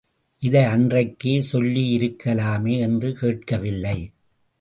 இதை அன்றைக்கே சொல்லியிருக்கலாமே! என்று கேட்கவில்லை.